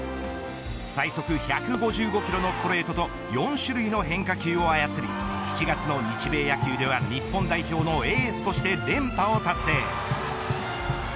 最速１５５キロのストレートと４種類の変化球を操り７月の日米野球では、日本代表のエースとして連覇を達成。